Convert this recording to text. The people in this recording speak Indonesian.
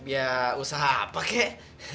ya usaha apa kek